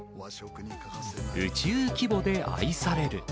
宇宙規模で愛される。